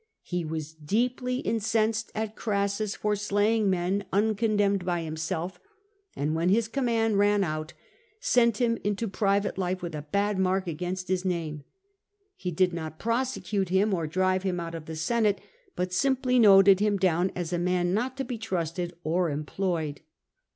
He was deeply incensed at Orassus for slaying men uncondemned by himself, and when his com mand ran out, sent him into private life with a bad mark against his name. He did not prosecute him, or drive him out of the Senate, but simply noted him down as a man not to be trusted or employed.